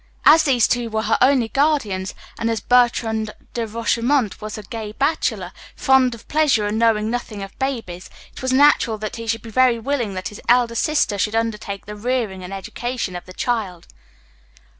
As these two were her only guardians, and as Bertrand de Rochemont was a gay bachelor, fond of pleasure and knowing nothing of babies, it was natural that he should be very willing that his elder sister should undertake the rearing and education of the child.